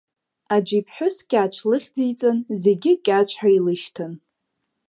Аӡә иԥҳәыс Кьацә лыхьӡиҵан, зегьы Кьацә ҳәа илышьҭан.